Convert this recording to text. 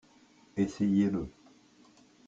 Essayez-le.